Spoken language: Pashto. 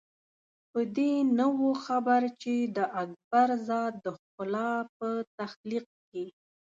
په دې نه وو خبر چې د اکبر ذات د ښکلا په تخلیق کې.